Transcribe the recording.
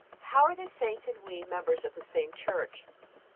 How are the saints and we members of the same Church?